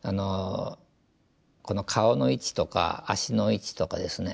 この顔の位置とか足の位置とかですね